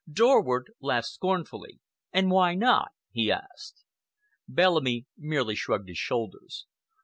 Dorward laughed scornfully. "And why not?" he asked. Bellamy merely shrugged his shoulders.